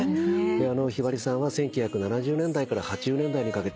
ひばりさんは１９７０年代から８０年代にかけて